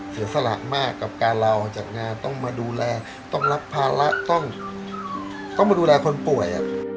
เสียสละมากกับการลาออกจากงานต้องมาดูแลต้องรับภาระต้องมาดูแลคนป่วย